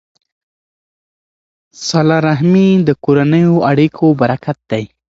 صله رحمي د کورنیو اړیکو برکت دی.